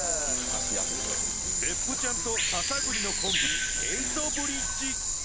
別府ちゃんと篠栗のコンビエイトブリッジ。